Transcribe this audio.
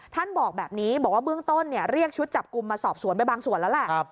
ท่านบอกแบบนี้บอกว่าเบื้องต้นเรียกชุดจับกลุ่มมาสอบสวนไปบางส่วนแล้วแหละ